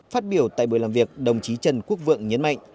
phát biểu tại buổi làm việc đồng chí trần quốc vượng nhấn mạnh